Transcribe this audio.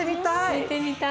見てみたい。